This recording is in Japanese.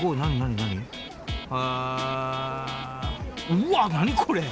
うわっ何これ！？